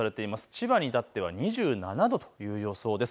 千葉にいたっては２７度という予想です。